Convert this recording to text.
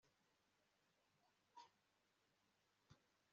Yashoboraga kumenya neza ko nta burwayi bwihishe